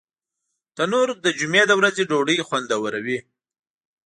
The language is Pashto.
تنور د جمعې د ورځې ډوډۍ خوندوروي